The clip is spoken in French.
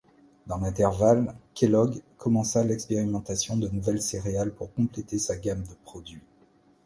Dans l'intervalle, Kellogg commença l'expérimentation de nouvelles céréales pour compléter sa gamme de produits.